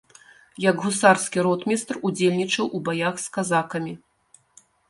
Як гусарскі ротмістр удзельнічаў у баях з казакамі.